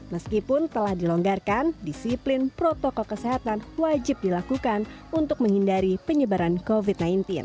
meskipun telah dilonggarkan disiplin protokol kesehatan wajib dilakukan untuk menghindari penyebaran covid sembilan belas